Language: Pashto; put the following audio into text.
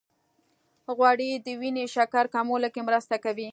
غوړې د وینې شکر کمولو کې مرسته کوي.